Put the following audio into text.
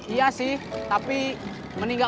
iya sih tapi mendingan aja